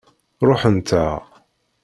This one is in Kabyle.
Ṛuḥent-aɣ.